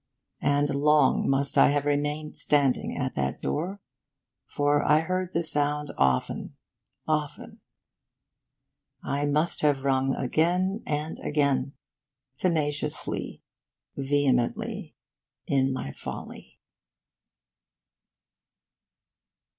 And long must I have remained standing at that door, for I heard the sound often, often. I must have rung again and again, tenaciously, vehemently, in my folly.